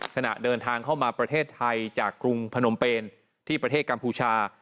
ขณะเดินทางเข้ามาประเทศไทยจากกรุงพนมเปนที่ประเทศกัมพูชา